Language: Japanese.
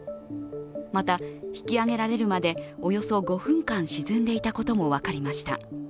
また、引き上げられるまでおよそ５分間沈んでいたことも分かりました。